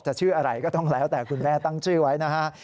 ชื่ออะไรก็ต้องแล้วแต่คุณแม่ตั้งชื่อไว้นะฮะ